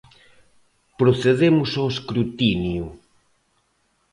Procedemos ao escrutinio.